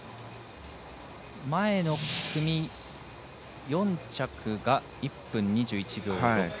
前の組、４着が１分２１秒６。